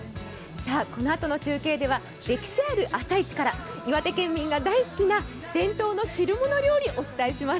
このあとの中継では歴史ある朝市から岩手県民が大好きな伝統の汁物料理をご紹介します。